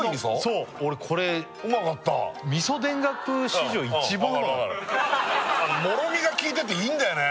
そう俺これうまかった味噌田楽史上一番うまかったああわかるもろみがきいてていいんだよね